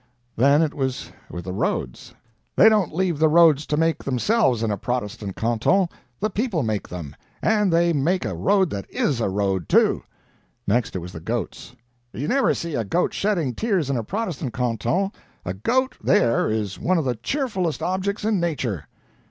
Then it was with the roads: "They don't leave the roads to make themselves in a Protestant canton, the people make them and they make a road that IS a road, too." Next it was the goats: "You never see a goat shedding tears in a Protestant canton a goat, there, is one of the cheerfulest objects in nature."